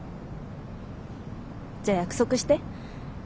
じゃあ約束して。